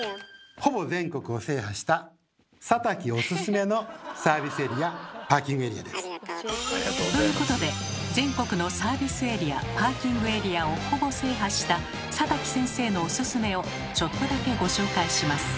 ほぼ全国を制覇したありがとうございます。ということで全国のサービスエリア・パーキングエリアをほぼ制覇した佐滝先生のオススメをちょっとだけご紹介します。